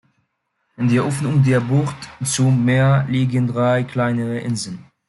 In der Öffnung der Bucht zum Meer liegen drei kleinere Inseln.